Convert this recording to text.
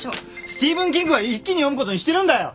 スティーブン・キングは一気に読むことにしてるんだよ！